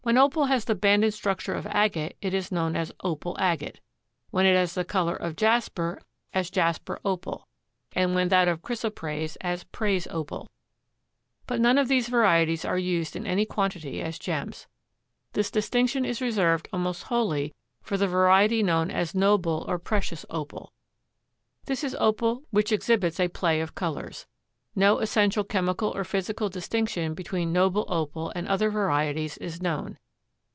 When Opal has the banded structure of agate it is known as Opal agate; when it has the color of jasper as jasper Opal, and when that of chrysoprase as prase Opal. But none of these varieties are used in any quantity as gems. This distinction is reserved almost wholly for the variety known as noble or precious Opal. This is Opal which exhibits a play of colors. No essential chemical or physical distinction between noble Opal and other varieties is known.